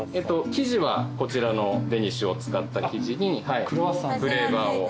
生地はこちらのデニッシュを使った生地にフレーバーを。